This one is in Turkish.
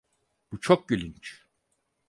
Bu çok gülünç.